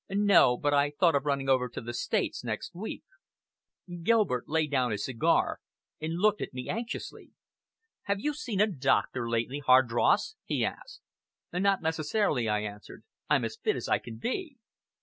"No! but I thought of running over to the States next week." Gilbert laid down his cigar, and looked at me anxiously. "Have you seen a doctor lately, Hardross?" he asked. "Not necessary," I answered. "I'm as fit as I can be!"